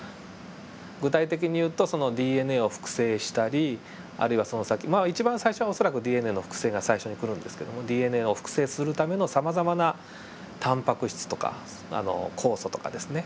具体的に言うとそのＤＮＡを複製したりあるいはその先まあ一番最初恐らくＤＮＡの複製が最初に来るんですけどもＤＮＡを複製するためのさまざまなタンパク質とか酵素とかですね